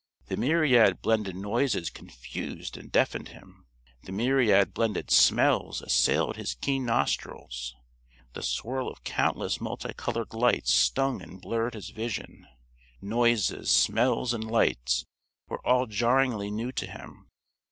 The myriad blended noises confused and deafened him. The myriad blended smells assailed his keen nostrils. The swirl of countless multicolored lights stung and blurred his vision. Noises, smells and lights were all jarringly new to him.